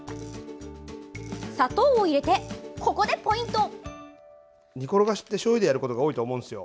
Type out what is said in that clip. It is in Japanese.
砂糖を入れて、ここでポイント。